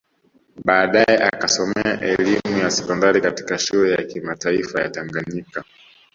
Baadae akasomea elimu ya sekondari katika Shule ya Kimataifa ya Tanganyika